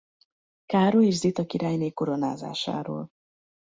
Károly és Zita királyné koronázásáról.